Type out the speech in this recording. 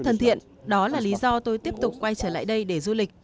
thân thiện đó là lý do tôi tiếp tục quay trở lại đây để du lịch